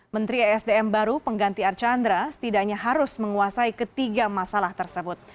menteri esdm baru pengganti archandra setidaknya harus menguasai ketiga masalah tersebut